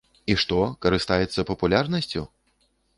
І што, карыстаецца папулярнасцю?